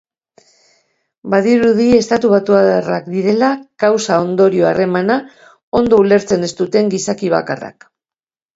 Badirudi estatubatuarrak direla kausa-ondorio harremana ondo ulertzen ez duten gizaki bakarrak.